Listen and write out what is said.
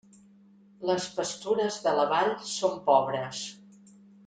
Les pastures de la vall són pobres.